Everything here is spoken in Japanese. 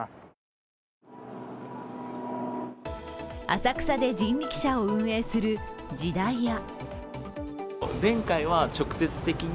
浅草で人力車を運営する時代屋。